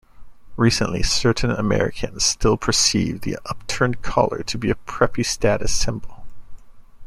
Recently, certain Americans still perceive the upturned collar to be a "preppy" status symbol.